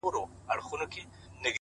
چي له ما تلې نو قدمونو کي کراره سوې _